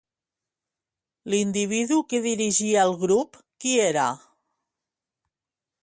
L'individu que dirigia el grup, qui era?